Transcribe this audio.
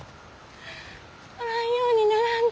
おらんようにならんと。